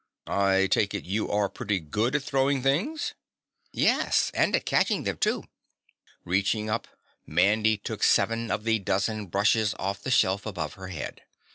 "I take it you are pretty good at throwing things." "Yes, and at catching them, too." Reaching up, Mandy took seven of the dozen brushes off the shelf above her head.